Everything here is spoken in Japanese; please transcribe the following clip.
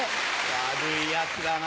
悪いヤツだな。